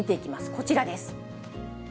こちらです。